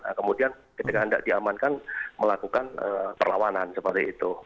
nah kemudian ketika hendak diamankan melakukan perlawanan seperti itu